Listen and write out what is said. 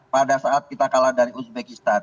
pada saat kita kalah dari uzbekistan